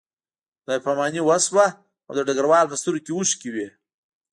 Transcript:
خدای پاماني وشوه او د ډګروال په سترګو کې اوښکې وې